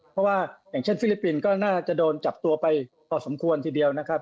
เพราะว่าอย่างเช่นฟิลิปปินส์ก็น่าจะโดนจับตัวไปพอสมควรทีเดียวนะครับ